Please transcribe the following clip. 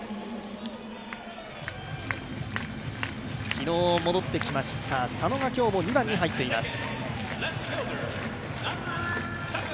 昨日戻ってきました佐野が今日も２番に入っています。